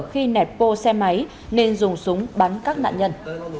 khi nẹt bô xe máy nên dùng súng bắn các nạn nhân